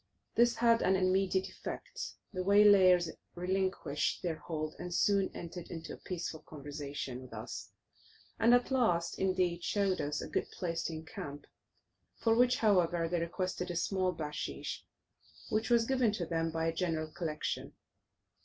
This had an immediate effect; the waylayers relinquished their hold, and soon entered into a peaceful conversation with us; and at last, indeed, showed us a good place to encamp, for which, however, they requested a small bachshish, which was given to them by a general collection.